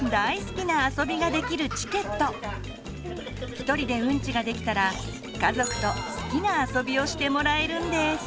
一人でうんちができたら家族と好きなあそびをしてもらえるんです。